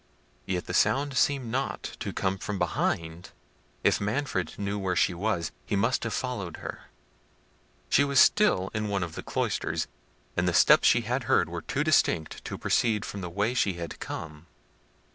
Yet the sound seemed not to come from behind. If Manfred knew where she was, he must have followed her. She was still in one of the cloisters, and the steps she had heard were too distinct to proceed from the way she had come.